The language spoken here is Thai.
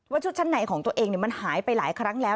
ชุดชั้นในของตัวเองมันหายไปหลายครั้งแล้ว